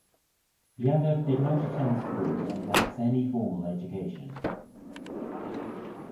Yadav did not attend school and lacks any formal education.